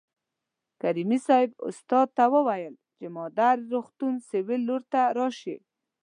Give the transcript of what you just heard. کریمي صیب استاد ته وویل چې مادر روغتون سویل لور ته راشئ.